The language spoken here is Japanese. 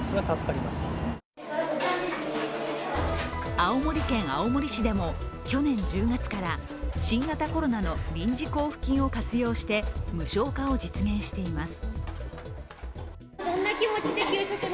青森県青森市でも去年１０月から新型コロナの臨時交付金を活用して無償化を実現しています。